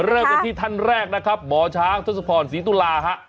เริ่มกันที่ท่านแรกนะครับหมอช้างทศพรศรีตุลาฮะ